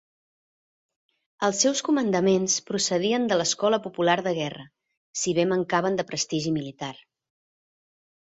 Els seus comandaments procedien de l'Escola Popular de Guerra, si bé mancaven de prestigi militar.